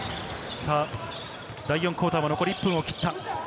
第４クオーターも残り１分を切った。